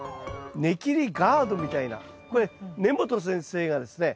ネキリガードみたいなこれ根本先生がですね